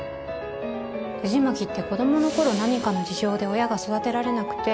藤巻って子供の頃何かの事情で親が育てられなくて